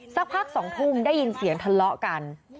สักพัก๒ทุ่มได้ยินเสียงทะเลาะกัน